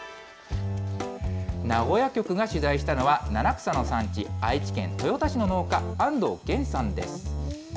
名古屋局が取材したのは、七草の産地、愛知県豊田市の農家、安藤源さんです。